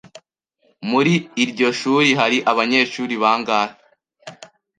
Muri iryo shuri hari abanyeshuri bangahe?